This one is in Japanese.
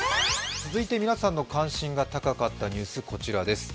続いて皆さんの関心が高かったニュース、こちらです。